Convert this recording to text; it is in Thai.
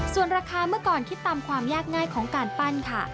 ส่วนราคาเมื่อก่อนคิดตามความยากง่ายของการปั้นค่ะ